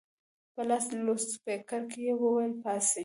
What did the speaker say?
په لاسي لوډسپیکر کې یې وویل پاڅئ.